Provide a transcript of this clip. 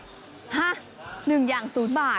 ฮะ๑อย่าง๐บาท